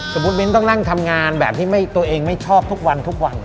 สมมุติวินต้องนั่งทำงานแบบที่ตัวเองไม่ชอบทุกวัน